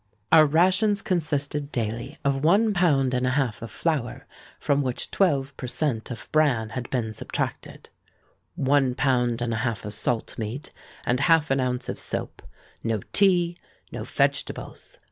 "Our rations consisted daily of one pound and a half of flour, from which twelve per cent. of bran had been subtracted, one pound and a half of salt meat, and half an ounce of soap. No tea—no vegetables.